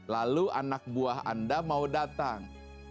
lalu anak buah anda mau datang